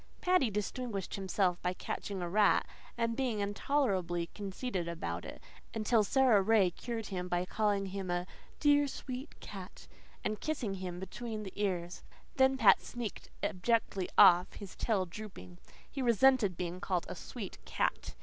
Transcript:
Paddy distinguished himself by catching a rat, and being intolerably conceited about it until Sara Ray cured him by calling him a "dear, sweet cat," and kissing him between the ears. Then Pat sneaked abjectly off, his tail drooping. He resented being called a sweet cat.